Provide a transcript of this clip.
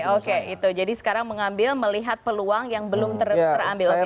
oke itu jadi sekarang mengambil melihat peluang yang belum terambil